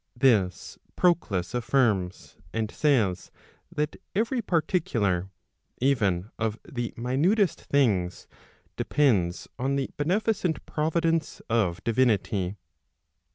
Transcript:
This Proclus affirms, and says that every particular, even of the minutest things, depends on the beneficent providence of divinity.